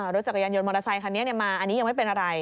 รถจักรยานยนมอเตอร์ไซคันนี้มาอันนี้ยังไม่เป็นอะไร